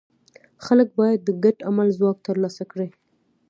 خلک باید د ګډ عمل ځواک ترلاسه کړي.